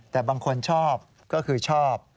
แต่บางคนชอบก็คือชอบ